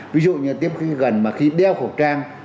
ví dụ như tiếp khi gần mà khi đeo khẩu trang